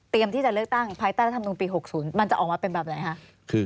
ที่จะเลือกตั้งภายใต้รัฐมนุนปี๖๐มันจะออกมาเป็นแบบไหนคะ